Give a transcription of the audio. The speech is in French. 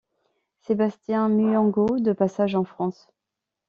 Sébastien Muyengo, de passage en France.